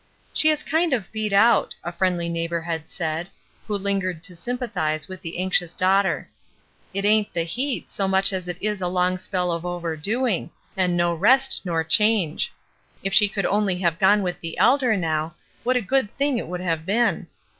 "She is kind of beat out," a friendly neighbor had said, who lingered to sympathize with the anxious daughter. "It ain't the heat so much as it is a long spell of overdoing, and no rest nor change. If she could only have gone with the Elder now, what a good thing it would have been